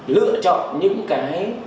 lựa chọn những cái